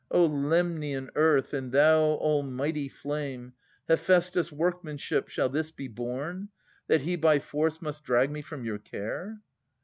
O Lemnian earth and thou almighty flame, Hephaestos' workmanship, shall this be borne, That he by force must drag me from your care?